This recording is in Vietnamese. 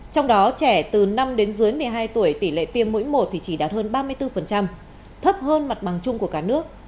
trong đó trẻ từ năm đến dưới một mươi hai tuổi tỷ lệ tiêm mũi một thì chỉ đạt hơn ba mươi bốn thấp hơn mặt bằng chung của cả nước